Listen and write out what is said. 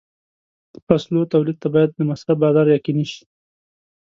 د فصلو تولید ته باید د مصرف بازار یقیني شي.